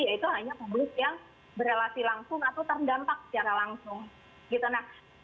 yaitu hanya publik yang berrelasi langsung atau terdampak secara langsung